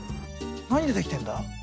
何でできてんだ？